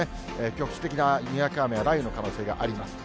局地的なにわか雨や雷雨の可能性があります。